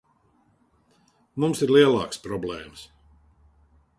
Mums ir lielākas problēmas.